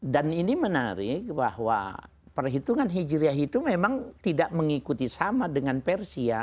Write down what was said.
dan ini menarik bahwa perhitungan hijriyah itu memang tidak mengikuti sama dengan persia